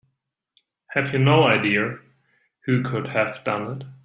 Have you no idea who could have done it?